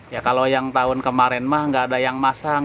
ya kalau yang tahun kemarin mah nggak ada yang masang